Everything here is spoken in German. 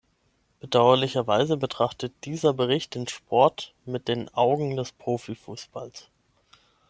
Bedauerlicherweise betrachtet dieser Bericht den Sport mit den Augen des Profifußballs.